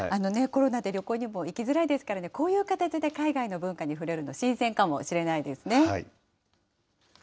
コロナ禍で旅行にも行きづらいですからね、こういう形で海外の文化に触れるのも新鮮かもしれないですね。